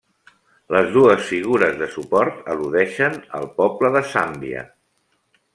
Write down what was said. Les dues figures de suport al·ludeixen al poble de Zàmbia.